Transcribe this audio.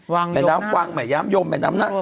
วังยมนั้นเหรอรวมกันครับคุณผู้ชาย